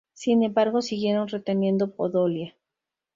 Sin embargo siguieron reteniendo Podolia.